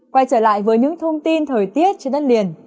quay trở lại với những thông tin thời tiết trên đất liền